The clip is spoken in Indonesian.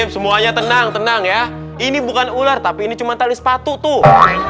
semuanya tenang tenang ya ini bukan ular tapi ini cuma tali sepatu tuh